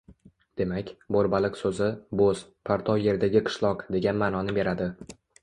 Demak, Bo‘rbaliq so‘zi "bo‘z, partov yerdagi qishloq" degan ma’noni beradi.